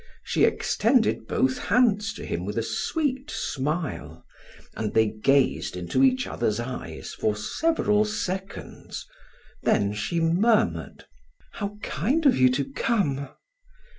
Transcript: She extended both hands to him with a sweet smile, and they gazed into each other's eyes for several seconds, then she murmured: "How kind of you to come!"